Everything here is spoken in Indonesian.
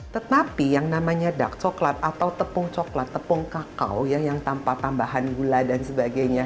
tetapi yang namanya dark coklat atau tepung coklat tepung kakao ya yang tanpa tambahan gula dan sebagainya